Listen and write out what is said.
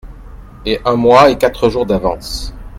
Et un mois et quatre jours d’avance !…